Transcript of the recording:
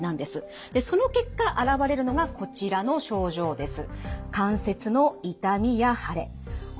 でその結果現れるのがこちらの症状です。